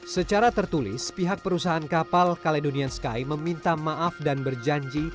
secara tertulis pihak perusahaan kapal caledonian sky meminta maaf dan berjanji